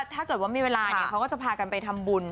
ถ้าเกิดว่ามีเวลาเขาก็จะพากันไปทำบุญ